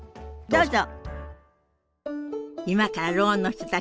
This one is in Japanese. どうぞ。